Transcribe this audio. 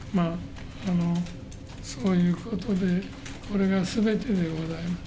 そういうことで、これがすべてでございます。